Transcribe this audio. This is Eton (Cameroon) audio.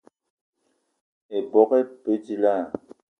Ebok e pe dilaah?